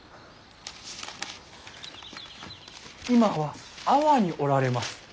今は安房におられます。